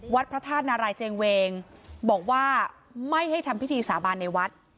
พระธาตุนารายเจงเวงบอกว่าไม่ให้ทำพิธีสาบานในวัด